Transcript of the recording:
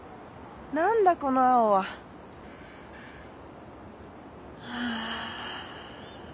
何だこの青は。はあ。